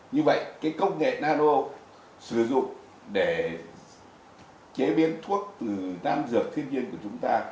như vậy công nghệ nano sử dụng để chế biến thuốc từ nam dược thiên nhiên của chúng ta